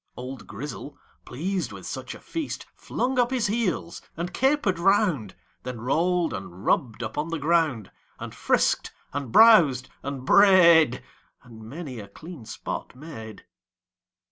Old Grizzle, pleased with such a feast, Flung up his heels, and caper'd round, Then roll'd and rubb'd upon the ground, And frisk'd and browsed and bray'd, And many a clean spot made.